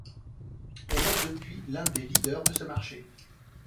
Elle est depuis l’un des leaders de ce marché.